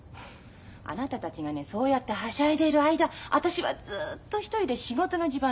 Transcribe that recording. あなたたちがねそうやってはしゃいでいる間私はずっと一人で仕事の地盤作ってきたのよ。